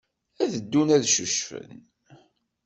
Ad ddun ad ccucfen.